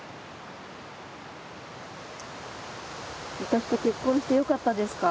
私と結婚してよかったですか？